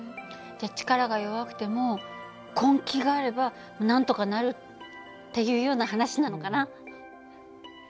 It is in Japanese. じゃ力が弱くても根気があればなんとかなるっていうような話なのかな。